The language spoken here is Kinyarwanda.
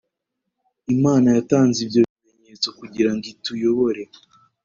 Imana yatanze ibyo bimenyetso kugira ngo ituyobore